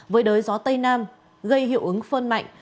với đới gió tây nam gây hiệu ứng phơn mạnh